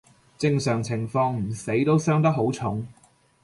正常情況唔死都傷得好重